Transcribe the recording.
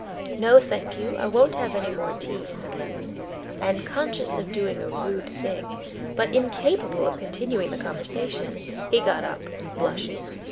"No, thank you, I won't have any more tea," said Levin, and conscious of doing a rude thing, but incapable of continuing the conversation, he got up, blushing.